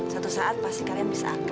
suatu saat pasti kalian bisa angkat